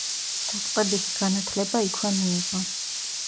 დაწყებითი განათლება იქვე მიიღო.